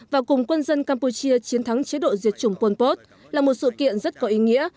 và cùng quân dân campuchia chiến thắng chế độ diệt chủng pol pot là một sự kiện rất có ý nghĩa